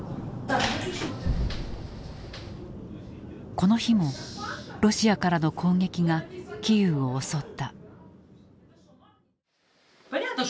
この日もロシアからの攻撃がキーウを襲った。